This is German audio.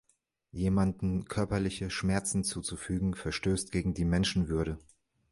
Jemandem körperliche Schmerzen zuzufügen, verstößt gegen die Menschenwürde.